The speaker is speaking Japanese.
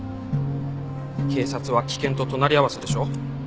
警察は危険と隣り合わせでしょう？